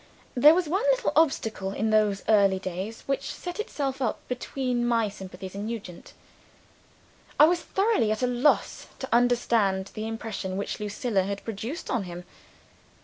There was one little obstacle in those early days, which set itself up between my sympathies and Nugent. I was thoroughly at a loss to understand the impression which Lucilla had produced on him.